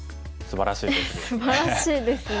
すばらしいですね。